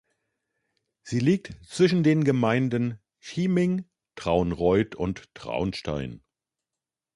Sie liegt zwischen den Gemeinden Chieming, Traunreut und Traunstein.